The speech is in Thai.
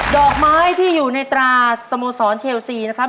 ดอกไม้ที่อยู่ในตราสโมสรเชลซีนะครับ